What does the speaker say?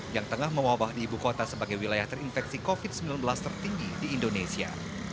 yang tengah mewabah di ibu kota sebagai wilayah terinfeksi covid sembilan belas tertinggi di indonesia